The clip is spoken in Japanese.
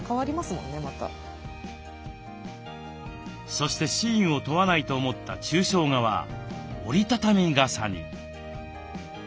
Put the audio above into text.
そしてシーンを問わないと思った抽象画は折り畳み傘に。